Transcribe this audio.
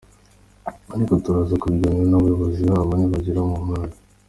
Ariko turaza kubiganiraho n’abayobozi babo nibagera mu nkambi.